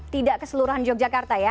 tidak keseluruhan yogyakarta ya